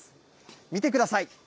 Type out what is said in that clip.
見てください。